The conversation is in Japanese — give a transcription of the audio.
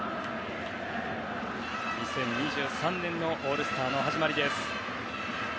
２０２３年のオールスターの始まりです。